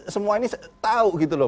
semua ini tahu gitu loh